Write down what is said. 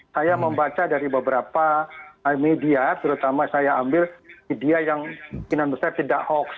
saya membaca dari beberapa media terutama saya ambil media yang mungkinan besar tidak hoax